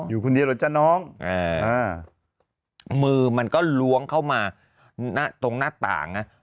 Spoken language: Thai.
อยู่คนเดียวเหรอจ๊ะน้องมือมันก็ล้วงเข้ามาตรงหน้าต่างนะ